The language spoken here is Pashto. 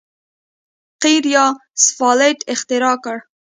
قیر یا سفالټ اختراع کړ.